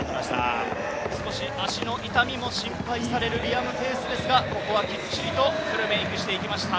少し足の痛みも心配されるリアム・ペースですが、ここはきっちりとフルメイクしてきました。